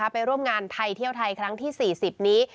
ไปร่วมงานไทยเที่ยวไทยครั้งที่๔๐นี้